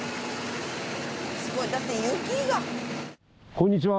こんにちは。